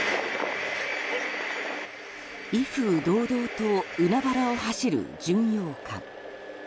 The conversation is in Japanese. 威風堂々と海原を走る巡洋艦。